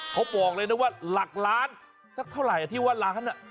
เขาบอกเลยนะว่าหลักล้านสักเท่าไหร่ที่ว่าล้าน